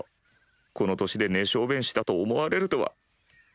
この年で寝小便したと思われるとは。